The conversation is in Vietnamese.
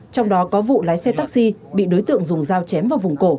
trong đó có vụ lái xe taxi bị đối tượng dùng dao chém vào vùng cổ